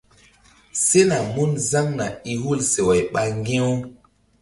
Sena mun zaŋna i hul seway ɓ ŋgi̧-u.